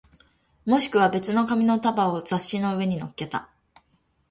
もしくは別の紙の束を雑誌の上に乗っけた